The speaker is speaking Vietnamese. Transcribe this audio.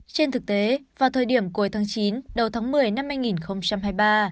trên thực tế vào thời điểm cuối tháng chín đầu tháng một mươi năm hai nghìn hai mươi ba